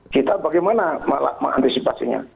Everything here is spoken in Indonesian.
kita bagaimana mengantisipasinya